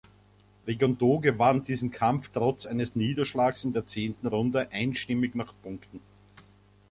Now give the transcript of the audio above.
Rigondeaux gewann diesen Kampf trotz eines Niederschlags in der zehnten Runde einstimmig nach Punkten.